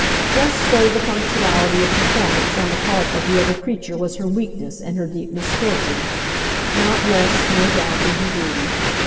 Just so the punctuality of performance on the part of the other creature was her weakness and her deep misfortune not less, no doubt, than her beauty.